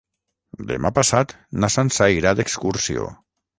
Demà passat na Sança irà d'excursió.